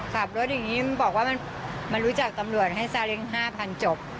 ขับรถอย่างนี้บอกว่ามันรู้จักตำรวจให้ซาเล้ง๕๐๐จบ